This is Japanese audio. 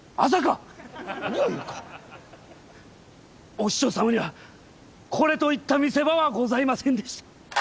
お師匠様にはこれといった見せ場はございませんでした。